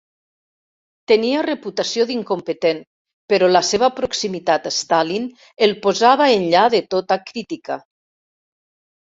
Tenia reputació d'incompetent, però la seva proximitat a Stalin el posava enllà de tota crítica.